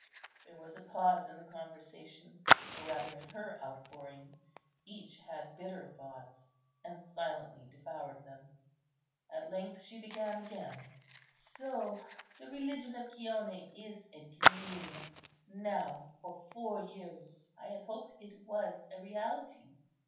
There was a pause in the conversation, or rather in her outpouring; each had bitter thoughts, and silently devoured them. At length, she began again:— "So the religion of Chione is a dream; now for four years I had hoped it was a reality.